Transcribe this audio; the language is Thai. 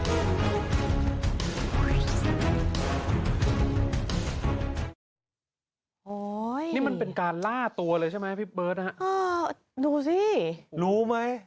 โอ้โหนี่มันเป็นการล่าตัวเลยใช่ไหมพี่เบิร์ตนะฮะเออดูสิรู้ไหม